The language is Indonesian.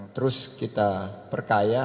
terus kita perkaya